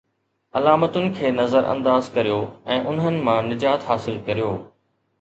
علامتن کي نظر انداز ڪريو ۽ انھن مان نجات حاصل ڪريو